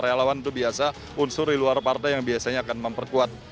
relawan itu biasa unsur di luar partai yang biasanya akan memperkuat